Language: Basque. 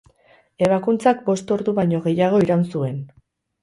Ebakuntzak bost ordu baino gehiago iraun zuen.